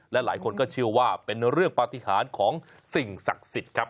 และหลายคนก็เชื่อว่าเป็นเรื่องปฏิหารของสิ่งศักดิ์สิทธิ์ครับ